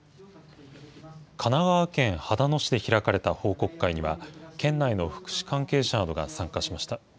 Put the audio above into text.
神奈川県秦野市で開かれた報告会には、県内の福祉関係者などが参加しました。